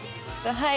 はい。